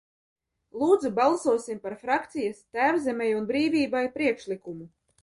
"Lūdzu, balsosim par frakcijas "Tēvzemei un brīvībai" priekšlikumu!"